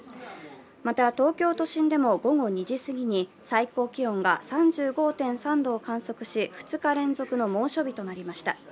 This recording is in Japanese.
また東京都心でも午後２時すぎに最高気温が３５．３度を観測し２日連続の猛暑日となりました。